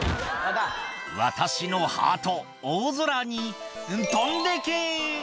私のハート、大空に飛んでけー。